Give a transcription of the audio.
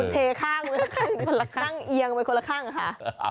เทข้างคนละข้างนั่งเอียงไปคนละข้างค่ะ